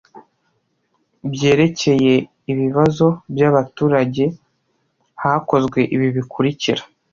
byerekeye ibibazo by abaturage hakozwe ibi bikurikira